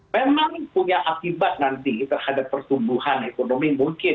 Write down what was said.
memang punya akibat nanti terhadap pertumbuhan ekonomi mungkin